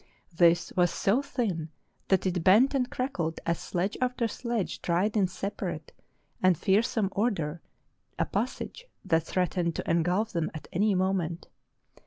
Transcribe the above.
This was so thin that it bent and crackled as sledge after sledge tried in separate and fearsome order a passage that threatened to en gulf them at any moment.